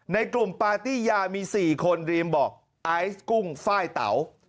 ในกลุ่มปาร์ตี้ยามี๔คนรีมบอกไอซ์กุ้งไฟล์เต๋า